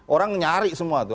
orang nyari semua tuh